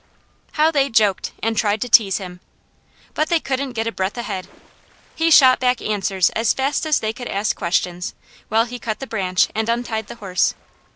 How they joked, and tried to tease him! But they couldn't get a breath ahead. He shot back answers as fast as they could ask questions, while he cut the branch and untied the horse.